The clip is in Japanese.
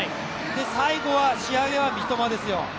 最後は仕上げは三笘ですよ。